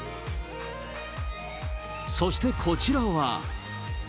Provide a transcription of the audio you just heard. そしてこちらは。